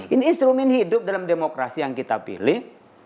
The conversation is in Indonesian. ini instrumen hidup dalam demokrasi yang kita pilih